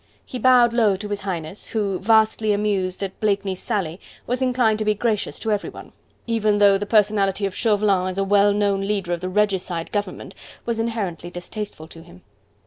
He bowed low to His Highness, who, vastly amused at Blakeney's sally, was inclined to be gracious to everyone, even though the personality of Chauvelin as a well known leader of the regicide government was inherently distasteful to him.